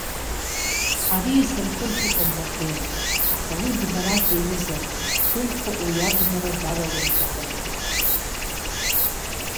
Ари изырҳәоз ыҟан Лаврент, аха уи бнарак иаҩызан, дылхо уи абнара далалар иҭахымхеит.